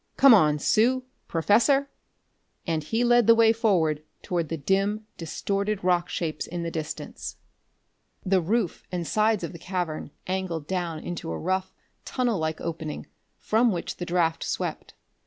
"Come on, Sue, Professor!" And he led the way forward toward the dim, distorted rock shapes in the distance. The roof and sides of the cavern angled down into a rough, tunnel like opening, from which the draft swept.